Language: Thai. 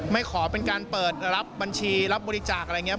ไม่ขอเป็นการเปิดรับบัญชีรับบริจาคอะไรอย่างนี้